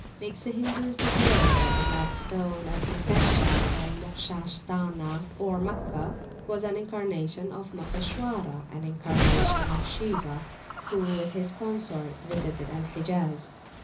makes the Hindus declare that the Black Stone at Mokshesha, or Moksha sthana (Meccah) was an incarnation of Moksheshwara, an incarnation of Shiwa, who with his consort visited Al Hijaz.